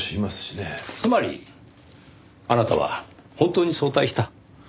つまりあなたは本当に早退した。